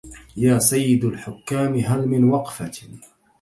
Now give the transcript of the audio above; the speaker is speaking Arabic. يا سيد الحكام هل من وقفة